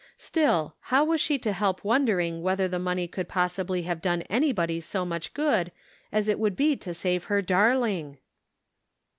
Still, how was she to help won dering whether the money could possibly have done anybody so much good as it would be to save her darling